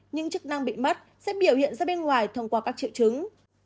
những chức năng bị mắt sẽ biểu hiện ra bên ngoài thông qua các triệu chứng